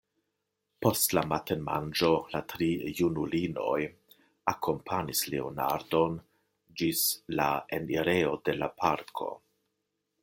Post la matenmanĝo la tri junulinoj akompanis Leonardon ĝis la enirejo de la parko.